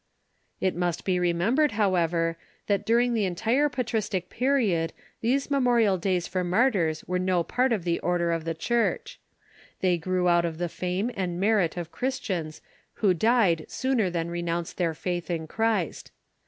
It must be remembered, however, that during the entire })atristic period these memorial days for martyrs were no part of the order of the Church. They grew out of the fame and merit of Christians, who died sooner than renounce their faith in Christ.